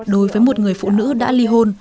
đối với một người phụ nữ đã ly hôn